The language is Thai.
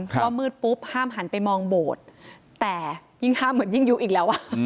ว่ามืดปุ๊บห้ามหันไปมองโบสถ์แต่ยิ่งห้ามเหมือนยิ่งยุอีกแล้วอ่ะ